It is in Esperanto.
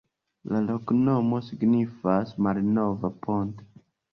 La loknomo signifas: malnova ponto.